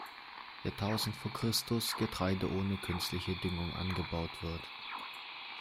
Jahrtausend vor Christus Getreide ohne künstliche Düngung angebaut wird.